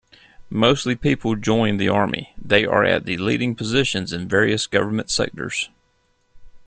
Mostly people joined the army.they are at the leading positions in various Government Sectors.